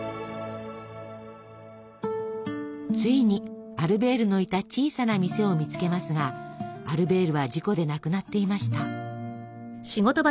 ついにアルベールのいた小さな店を見つけますがアルベールは事故で亡くなっていました。